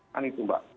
kan itu mbak